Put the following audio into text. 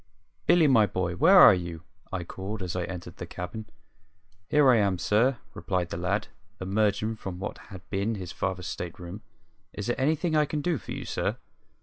"Billy, my boy, where are you?" I called, as I entered the cabin. "Here I am, sir," replied the lad, emerging from what had been his father's state room. "Is there anything I can do for you, sir?"